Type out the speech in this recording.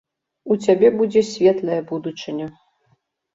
У цябе будзе светлая будучыня.